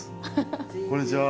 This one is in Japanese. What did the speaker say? こんにちは。